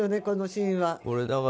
このシーンは。